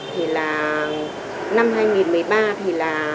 thì là năm hai nghìn một mươi ba thì là bốn mươi